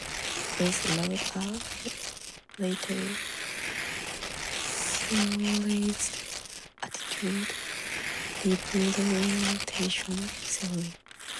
With Lord he later theorized attitude representation theory.